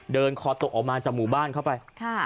คอตกออกมาจากหมู่บ้านเข้าไป